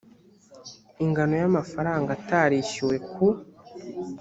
ingano y amafaranga atarishyuwe ku